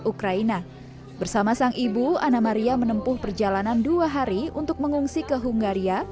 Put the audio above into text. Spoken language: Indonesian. ukraina bersama sang ibu anna maria menempuh perjalanan dua hari untuk mengungsi ke hungaria